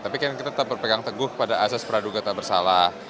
tapi kan kita tetap berpegang teguh pada asas peraduga tak bersalah